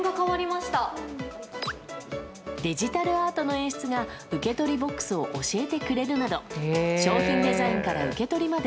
デジタルアートの演出が受け取りボックスを教えてくれるなど商品デザインから受け取りまで